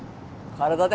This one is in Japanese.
体で？